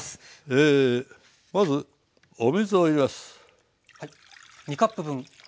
まずお水を入れます。